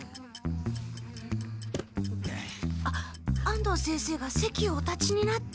あ安藤先生がせきをお立ちになった。